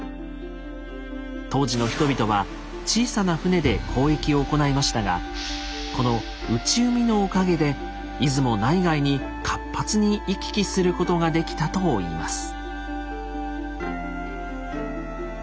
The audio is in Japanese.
当時の人々は小さな舟で交易を行いましたがこの内海のおかげで出雲内外に活発に行き来することができたといいます。